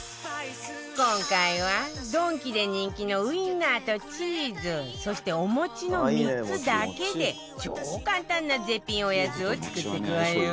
今回はドンキで人気のウインナーとチーズそしてお餅の３つだけで超簡単な絶品おやつを作ってくわよ